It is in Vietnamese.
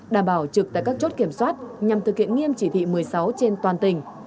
đảm bảo trực tại các chốt kiểm soát nhằm thực hiện nghiêm chỉ thị một mươi sáu trên toàn tỉnh